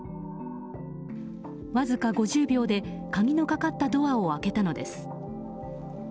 わずか５０秒で鍵のかかったドアを開けたのです。